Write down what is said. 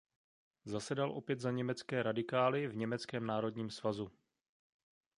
Zasedal opět za německé radikály v Německém národním svazu.